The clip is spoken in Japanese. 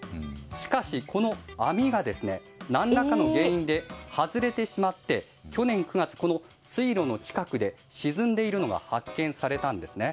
しかし、この網が何らかの原因で外れてしまって去年９月、水路の近くで沈んでいるのが発見されました。